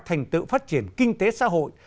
thành tựu phát triển kinh tế xã hội